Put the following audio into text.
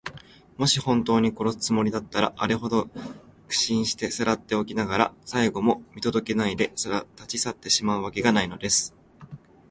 もしほんとうに殺すつもりだったら、あれほど苦心してさらっておきながら、最期も見とどけないで、たちさってしまうわけがないのです。